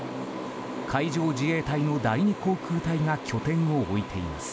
海上自衛隊の第２航空隊が拠点を置いています。